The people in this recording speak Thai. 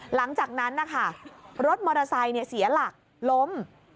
หลังจากนั้นนะคะรถมอเตอร์ไซค์เสียหลักล้ม